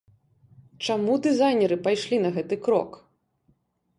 Чаму дызайнеры пайшлі на гэты крок?